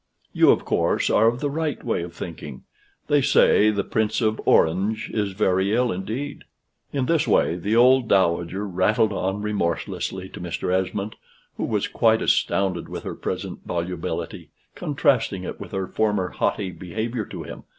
You, of course, are of the right way of thinking. They say the Prince of Orange is very ill indeed." In this way the old Dowager rattled on remorselessly to Mr. Esmond, who was quite astounded with her present volubility, contrasting it with her former haughty behavior to him.